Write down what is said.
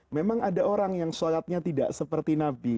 memang ada orang yang sholatnya tidak seperti nabi